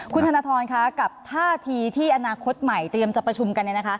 คุณธนทรคะกับท่าทีที่อนาคตใหม่เตรียมจะประชุมกัน